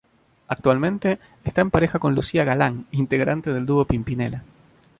Actualmente está en pareja con Lucía Galán, integrante del dúo Pimpinela.